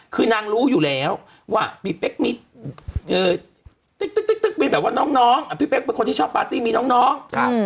คือนางรู้อยู่แล้วว่าพี่เป๊กมีติ๊กมีแบบว่าน้องพี่เป๊กเป็นคนที่ชอบปาร์ตี้มีน้อง